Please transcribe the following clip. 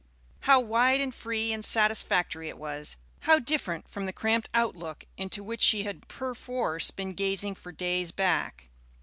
How wide and free and satisfactory it was; how different from the cramped outlook into which she had perforce been gazing for days back!